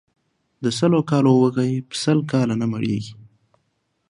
د سلو کالو وږى ، په سل کاله نه مړېږي.